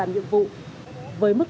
em muốn bì ạ